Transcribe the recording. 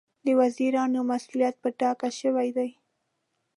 د وزیرانو مسوولیت په ډاګه شوی دی.